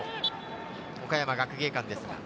岡山学芸館です。